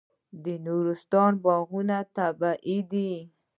د نورستان باغونه طبیعي دي.